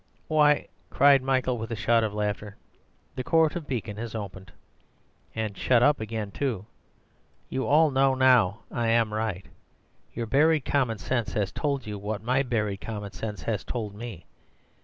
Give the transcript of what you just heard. "Why," cried Michael, with a shout of laughter, "the Court of Beacon has opened—and shut up again too. You all know now I am right. Your buried common sense has told you what my buried common sense has told me.